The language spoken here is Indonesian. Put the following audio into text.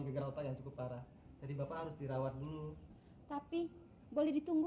migran otak yang cukup parah jadi bapak harus dirawat dulu tapi boleh ditunggu